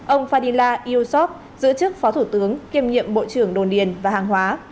ông fadila iosov giữ chức phó thủ tướng kiêm nhiệm bộ trưởng đồn điền và hàng hóa